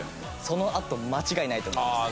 そのあと間違いないと思います。